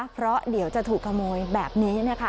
เพราะเดี๋ยวจะถูกขโมยแบบนี้นะคะ